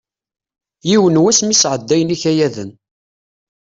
Yiwen wass mi sɛeddayen ikayaden.